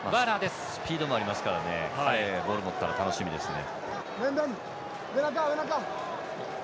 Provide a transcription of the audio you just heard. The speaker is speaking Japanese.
スピードもありますから彼がボール持ったら楽しみですね。